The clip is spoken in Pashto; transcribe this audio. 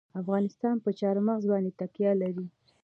افغانستان په چار مغز باندې تکیه لري.